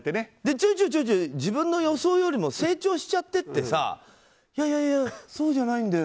ちょいちょい自分の予想よりも成長しちゃってってさいやいやそうじゃないんだよ